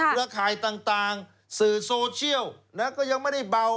ข่ายต่างสื่อโซเชียลก็ยังไม่ได้เบา